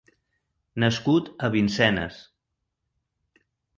Nascut a Vincennes.